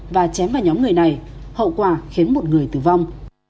và chém vào nhóm người này hậu quả khiến một người tử vong